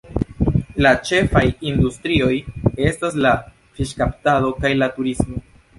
La ĉefaj industrio estas la fiŝkaptado kaj la turismo.